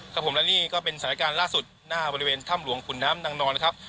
ครับผมและนี่ก็เป็นสถานการณ์ล่าสุดหน้าบริเวณถ้ำหลวงขุนน้ำนางนอนนะครับ